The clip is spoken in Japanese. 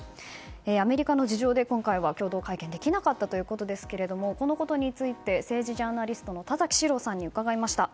アメリカの事情で今回は共同会見できなかったということですがこのことについて政治ジャーナリストの田崎史郎さんに伺いました。